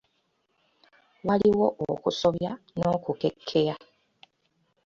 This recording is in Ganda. Waliwo okusobya n'okukekeya.